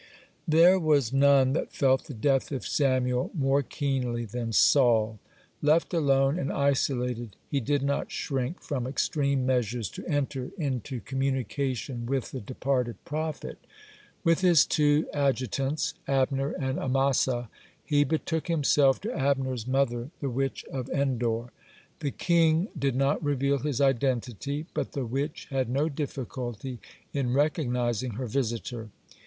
(72) There was none that felt the death of Samuel more keenly than Saul. Left alone and isolated, he did not shrink from extreme measures to enter into communication with the departed prophet. With his two adjutants, (73) Abner and Amasa, he betook himself to Abner's mother, the witch of En dor. (74) The king did not reveal his identity, but the witch had no difficulty in recognizing her visitor.